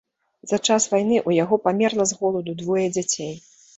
За час вайны ў яго памерла з голаду двое дзяцей.